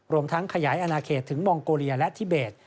รวมทั้งขยายอนาเขตถึงมองโกเลียและทิเบส